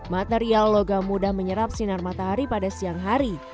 material logam mudah menyerap sinar matahari pada siang hari